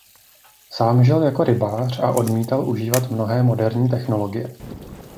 Sám žil jako rybář a odmítal užívat mnohé moderní technologie.